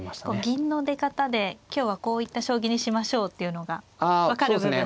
銀の出方で今日はこういった将棋にしましょうっていうのが分かる部分があるんですね。